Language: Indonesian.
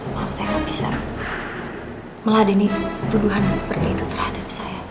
maaf saya nggak bisa meladeni tuduhan yang seperti itu terhadap saya